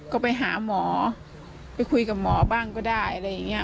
ก็ไปหาหมอไปคุยกับหมอบ้างก็ได้อะไรอย่างนี้